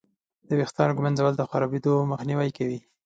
د ویښتانو ږمنځول د خرابېدو مخنیوی کوي.